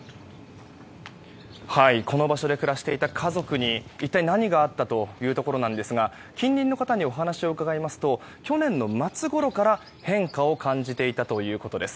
この場所で暮らしていた家族に一体何があったのかというところなんですが近隣の方にお話を伺いますと去年の末ごろから変化を感じていたということです。